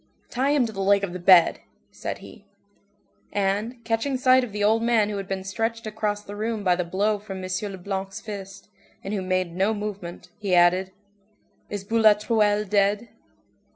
"Tie him to the leg of the bed," said he. And, catching sight of the old man who had been stretched across the room by the blow from M. Leblanc's fist, and who made no movement, he added:— "Is Boulatruelle dead?"